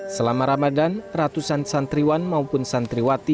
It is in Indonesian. selama ramadan ratusan santriwan maupun santriwati